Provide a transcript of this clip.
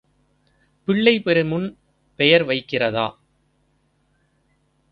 பிள்ளை பெறுமுன் பெயர் வைக்கிறதா?